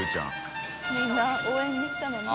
みんな応援に来たのね。